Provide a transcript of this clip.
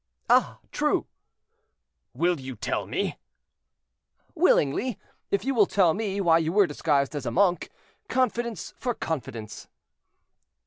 "Ah! true." "Will you tell me?" "Willingly, if you will tell me why you were disguised as a monk. Confidence for confidence."